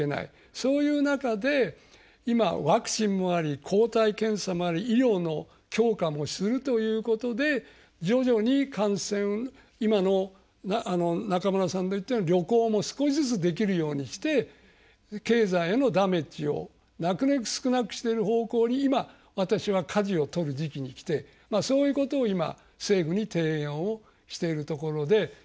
そういう中で今ワクチンもあり抗体検査もあり医療の強化もするということで徐々に感染、今の中村さんの言ったような旅行も少しずつできるようにして経済へのダメージをなるべく少なくしてる方向に今、私はかじを取る時期にきてそういうことを今政府に提言をしているところで。